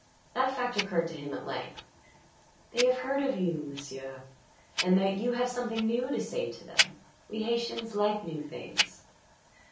That fact occurred to him at length. "They have heard of you, m'sieu' and that you have something new to say to them. We Haytians like new things."